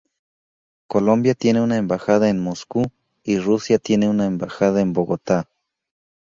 Colombia tiene una embajada en Moscú y Rusia tiene una embajada en Bogotá.